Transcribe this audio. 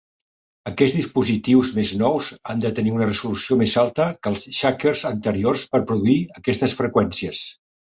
Aquests dispositius més nous han de tenir una resolució més alta que els "shakers" anteriors per produir aquestes freqüències.